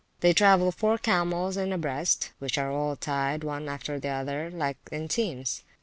They travel four camels in a breast, [p.382] which are all tied one after the other, like as in teams.